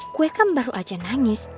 kue kan baru aja nangis